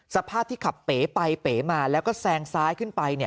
สภาพที่ขับเป๋ไปเป๋มาแล้วก็แซงซ้ายขึ้นไป